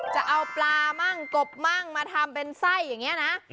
จะเอาปลามั่งกบมั่งมาทำเป็นไส้อย่างนี้นะ